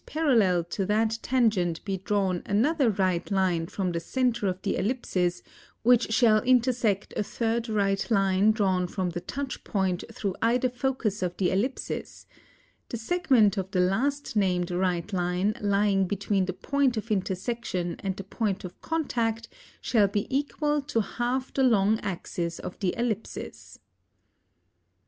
If a right line touch an Ellipsis in any point thereof & parallel to that tangent be drawn another right line from the center of the Ellipsis which shall intersect a third right line drawn from the touch point through either focus of the Ellipsis: the segment of the last named right line lying between the point of intersection & the point of contact shall be equal to half the long axis of the Ellipsis.